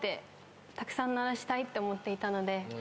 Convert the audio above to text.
たくさん鳴らしたいって思っていたので。